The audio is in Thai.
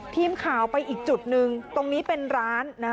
ทีมข่าวไปอีกจุดหนึ่งตรงนี้เป็นร้าน